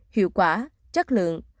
hiệu quả chất lượng